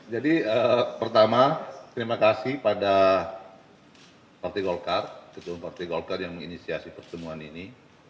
jadi pertama terima kasih pada partai golkar ketua partai golkar yang menginisiasi pertemuan ini